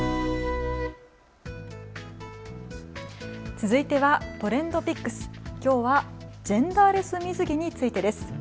続いてはＴｒｅｎｄＰｉｃｋｓ、きょうはジェンダーレス水着についてです。